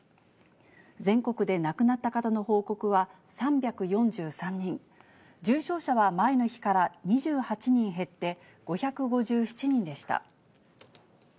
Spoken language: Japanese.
全国で亡くなった方の報告は３４３人、重症者は前の日から２８人減って５５７人でした。